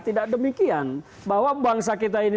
tidak demikian bahwa bangsa kita ini